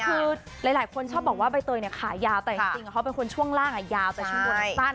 คือหลายคนชอบบอกว่าใบเตยเนี่ยขายาวแต่จริงเขาเป็นคนช่วงล่างยาวแต่ช่วงบนสั้น